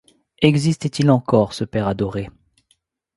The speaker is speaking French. Existait-il encore, ce père adoré?